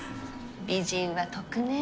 美人は得ねえ。